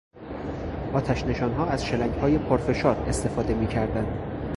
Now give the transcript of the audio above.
آتش نشانها از شیلنگهای پرفشار استفاده میکردند.